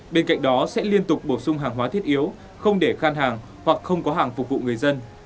bên cạnh đó sẽ liên tục bổ sung hàng hóa thiết yếu không để khan hàng hoặc không có hàng phục vụ người dân